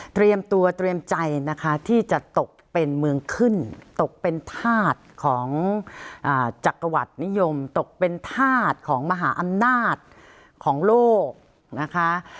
ตัวเตรียมใจนะคะที่จะตกเป็นเมืองขึ้นตกเป็นธาตุของจักรวรรดินิยมตกเป็นธาตุของมหาอำนาจของโลกนะคะ